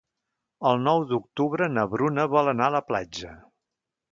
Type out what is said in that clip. El nou d'octubre na Bruna vol anar a la platja.